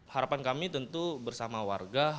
harapan kami tentu bersama warga